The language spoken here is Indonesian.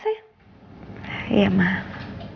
kita berangkat sekarang